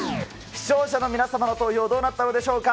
視聴者の皆様の投票、どうなったのでしょうか。